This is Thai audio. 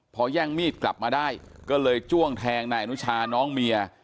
พอแย่งมีดกลับมาได้ก็เลยจ้วงแทงนายอนุชาน้องเมีย